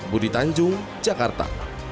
budi tanjung jakarta